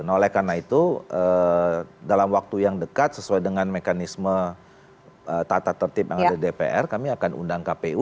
nah oleh karena itu dalam waktu yang dekat sesuai dengan mekanisme tata tertib yang ada di dpr kami akan undang kpu